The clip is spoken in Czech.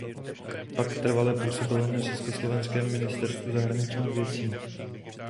Pak trvale působil na československém ministerstvu zahraničních věcí.